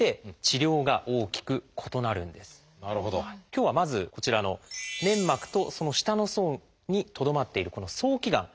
今日はまずこちらの粘膜とその下の層にとどまっているこの早期がん。